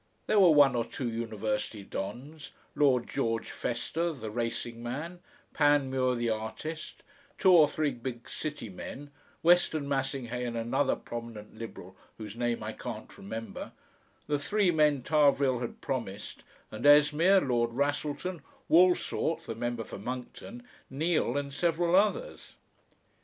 There were one or two university dons, Lord George Fester, the racing man, Panmure, the artist, two or three big City men, Weston Massinghay and another prominent Liberal whose name I can't remember, the three men Tarvrille had promised and Esmeer, Lord Wrassleton, Waulsort, the member for Monckton, Neal and several others.